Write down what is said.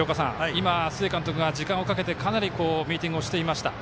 今、須江監督が時間をかけてかなりミーティングをしていました。